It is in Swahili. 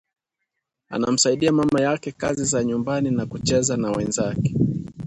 anamsaidia mama yake kazi za nyumbani na kucheza na wenzake